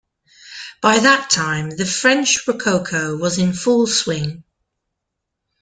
By that time the French Rococo was in full swing.